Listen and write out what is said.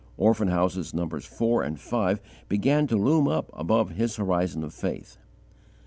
Orphan Houses Nos. 4 and 5 began to loom up above his horizon of faith.